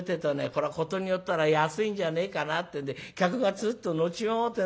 これはことによったら安いんじゃねえかなってえんで客がツーッと乗っちまおうってんだ。